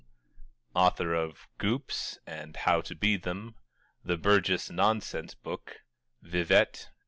Author of "Goops and How to Be Them," "The Burgess Nonsense Book," "Vivette," &c.